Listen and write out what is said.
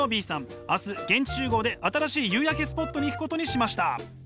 明日現地集合で新しい夕焼けスポットに行くことにしました。